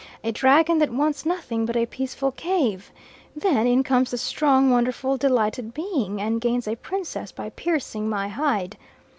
A dragon that wants nothing but a peaceful cave. Then in comes the strong, wonderful, delightful being, and gains a princess by piercing my hide.